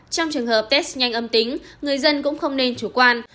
trong trường hợp test nhanh âm tính người dân cũng không nên chủ quan